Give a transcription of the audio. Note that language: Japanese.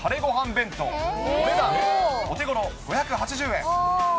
弁当、お値段お手ごろ５８０円。